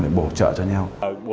để bổ trợ cho nhau